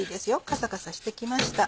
カサカサして来ました。